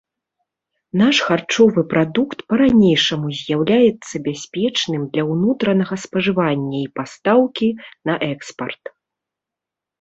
Наш харчовы прадукт па-ранейшаму з'яўляецца бяспечным для ўнутранага спажывання і пастаўкі на экспарт.